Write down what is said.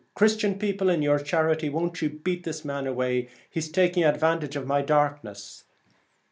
Christian people, in your charity won't you beat this man away ? he's taking advantage of my darkness.'